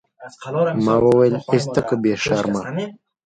ما وويل ايسته که بې شرمه.